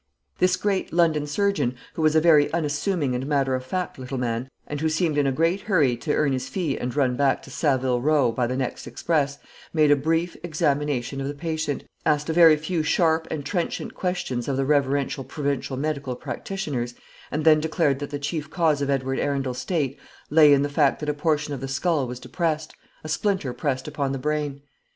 This great London surgeon, who was a very unassuming and matter of fact little man, and who seemed in a great hurry to earn his fee and run back to Saville Row by the next express, made a brief examination of the patient, asked a very few sharp and trenchant questions of the reverential provincial medical practitioners, and then declared that the chief cause of Edward Arundel's state lay in the fact that a portion of the skull was depressed, a splinter pressed upon the brain.